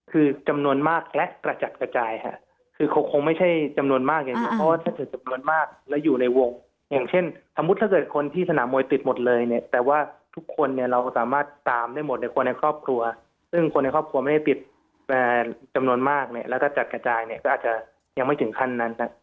คือจำนวนมากและกระจัดกระจายค่ะคือเขาคงไม่ใช่จำนวนมากอย่างนี้เพราะว่าถ้าเกิดจำนวนมากแล้วอยู่ในวงอย่างเช่นสมมุติถ้าเกิดคนที่สนามมวยติดหมดเลยเนี่ยแต่ว่าทุกคนเนี่ยเราสามารถตามได้หมดเนี่ยคนในครอบครัวซึ่งคนในครอบครัวไม่ได้ปิดจำนวนมากเนี่ยแล้วก็จัดกระจายเนี่ยก็อาจจะยังไม่ถึงขั้นนั้น